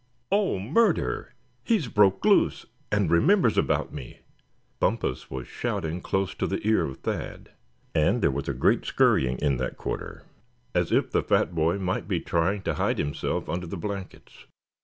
"Oh! murder! he's broke loose, and remembers about me!" Bumpus was shouting close to the ear of Thad; and there was a great scurrying in that quarter, as if the fat boy might be trying to hide himself under the blankets.